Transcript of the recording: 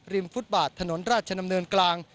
ฟุตบาทถนนราชดำเนินกลาง